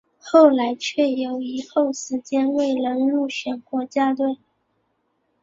后来却有一后时间未能入选国家队。